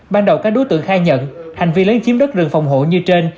ban đầu các đối tượng khai nhận hành vi lấn chiếm đất rừng phòng hộ như trên